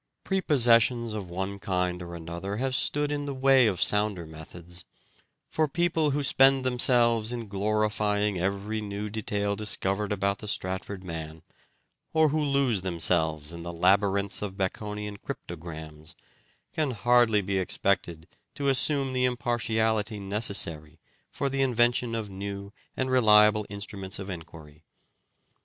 Prepossessions of one kind or another have stood in the way of sounder methods ; for people who spend themselves in glorifying every new detail discovered about the Stratford man, or who lose themselves in the labyrinths of Baconian cryptograms, can hardly be expected to assume the impartiality necessary for the invention of new and reliable instruments of 104 " SHAKESPEARE " IDENTIFIED enquiry.